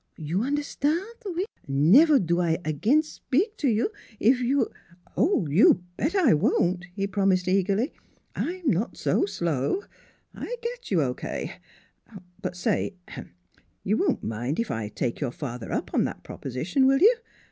You un'erstan' oui? Nevaire do I again spik to you, if you "" You bet I won't !" he promised eagerly. " I'm not so slow. I get you O.K. But say You won't mind if I take your father up on that proposition, will you?